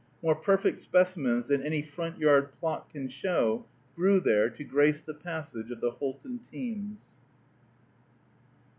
More perfect specimens than any front yard plot can show grew there to grace the passage of the Houlton teams.